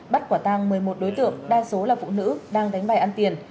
bắt quả tăng một mươi một đối tượng đa số là phụ nữ đang đánh bài ăn tiền